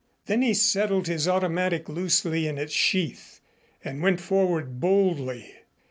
Then he settled his automatic loosely in its sheath, and went forward boldly.